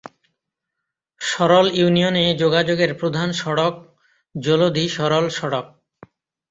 সরল ইউনিয়নে যোগাযোগের প্রধান সড়ক জলদী-সরল সড়ক।